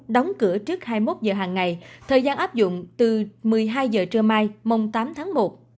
đóng cửa trước hai mươi một giờ hàng ngày thời gian áp dụng từ một mươi hai giờ trưa mai mông tám tháng một